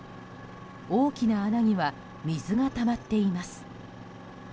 大きな穴には水がたまっています。